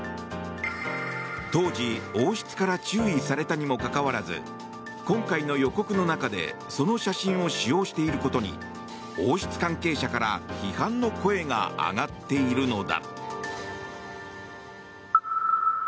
当時、王室から注意されたにもかかわらず今回の予告の中でその写真を使用していることに王室関係者から批判の声が上がっているのだ。